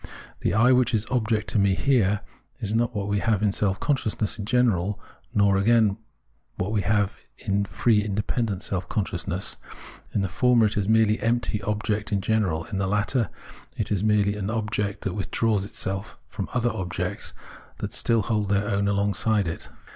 The I which is object to me here is not what we have in self consciousness in general, nor again what we have in free independent self conscious ness ; in the former it is merely empty object in general, in the latter, it is merely an object that withdraws itself from other objects that still hold their own alongside it.